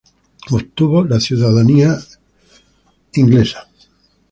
Obtuvo la ciudadanía estadounidense.